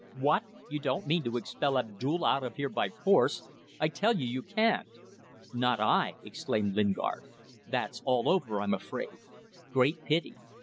"What? You don't mean to expel Abdulla out of here by force! I tell you, you can't." "Not I!" exclaimed Lingard. "That's all over, I am afraid. Great pity.